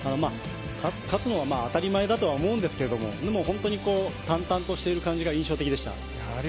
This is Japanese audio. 勝つのが当たり前だとは思うんですけれど本当に淡々としている感じが印象的でした。